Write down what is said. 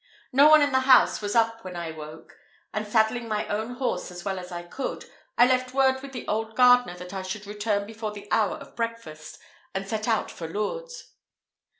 No one in the house was up when I woke, and saddling my own horse as well as I could, I left word with the old gardener that I should return before the hour of breakfast, and set out for Lourdes.